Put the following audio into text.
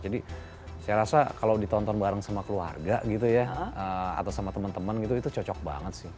jadi saya rasa kalau ditonton bareng sama keluarga gitu ya atau sama temen temen gitu itu cocok banget sih